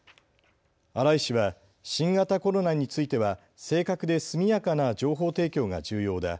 新井氏は新型コロナについては正確で速やかな情報提供が重要だ。